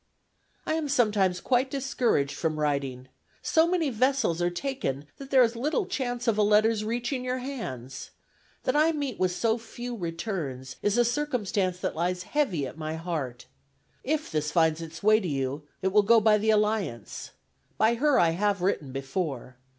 "I am sometimes quite discouraged from writing. So many vessels are taken that there is little chance of a letter's reaching your hands. That I meet with so few returns is a circumstance that lies heavy at my heart. If this finds its way to you, it will go by the Alliance. By her I have written before.